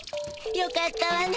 よかったわね。